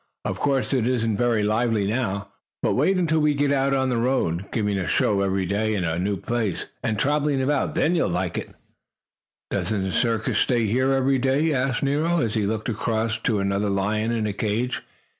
"Of course it isn't very lively now, but wait until we get out on the road, giving a show every day in a new place, and traveling about! Then you'll like it!" "Doesn't the circus stay here every day?" asked Nero, as he looked across to another lion in a cage.